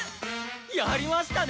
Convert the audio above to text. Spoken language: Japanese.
やりましたね